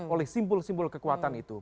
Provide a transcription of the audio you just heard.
oleh simbol simbol kekuatan itu